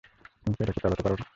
তুমি কি এটাকে চালাতে পারো না?